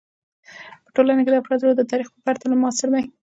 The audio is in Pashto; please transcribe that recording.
په ټولنه کې د افرادو رول د تاریخ په پرتله معاصر دی.